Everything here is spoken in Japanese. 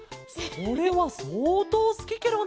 それはそうとうすきケロね！